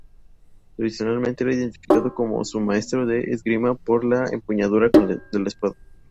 Tradicionalmente era identificado como su maestro de esgrima, por la empuñadura de la espada.